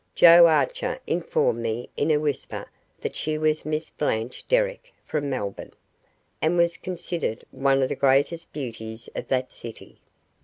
Joe Archer informed me in a whisper that she was Miss Blanche Derrick from Melbourne, and was considered one of the greatest beauties of that city.